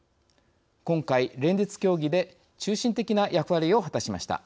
今回連立協議で中心的な役割を果たしました。